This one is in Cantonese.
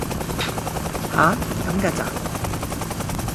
吓！咁嫁咋!